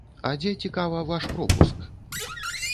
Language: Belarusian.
А дзе, цікава, ваш пропуск?!